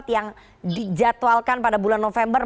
yang dijadwalkan pada bulan november